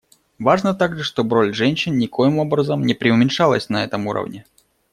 Важно также, чтобы роль женщин никоим образом не приуменьшалась на этом уровне.